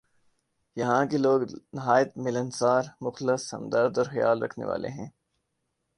یہاں کے لوگ نہایت ملنسار ، مخلص ، ہمدرد اورخیال رکھنے والے ہیں ۔